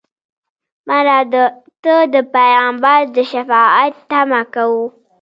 مړه ته د پیغمبر د شفاعت تمه کوو